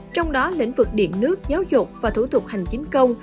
trong đó lĩnh vực điện nước giáo dục và thủ tục hành chính công